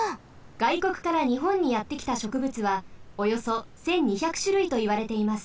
がいこくからにほんにやってきたしょくぶつはおよそ１，２００しゅるいといわれています。